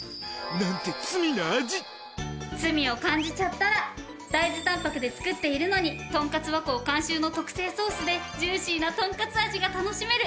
罪を感じちゃったら大豆たんぱくで作っているのに「とんかつ和幸」監修の特製ソースでジューシーなとんかつ味が楽しめる罪